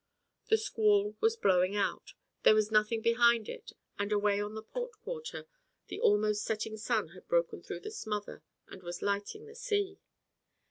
The squall was blowing out, there was nothing behind it and away on the port quarter the almost setting sun had broken through the smother and was lighting the sea.